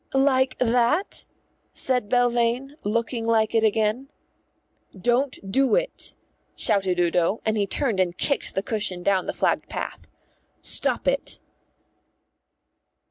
"Like that?" said Belvane, looking like it again. "Don't do it," shouted Udo, and he turned and kicked the cushion down the flagged path. "Stop it."